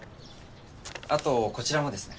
あとこちらもですね。